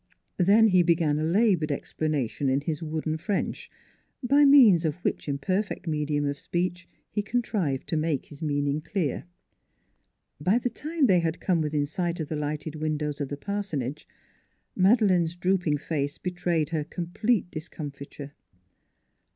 Then he began a labored explanation in his wooden French, by means of which imperfect medium of speech he contrived to make his mean ing clear. By the time they had corre within sight of the lighted windows of the parsonage Made leine's drooping face betrayed her complete dis comfiture.